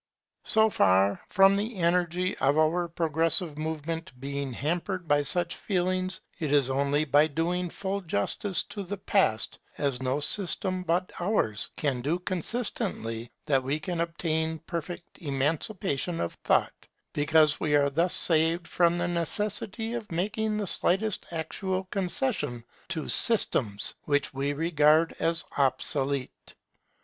So far from the energy of our progressive movement being hampered by such feelings, it is only by doing full justice to the Past, as no system but ours can do consistently, that we can obtain perfect emancipation of thought; because we are thus saved from the necessity of making the slightest actual concession to systems which we regard as obsolete.